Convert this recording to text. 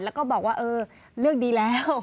แล้วก็บอกว่าเออเรื่องดีแล้ว